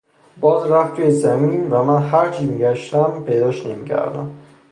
باز رفت توی زمین و من هرچی میگشتم پیداش نمیکردم